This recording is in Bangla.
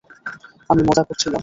আমি মজা করছিলাম।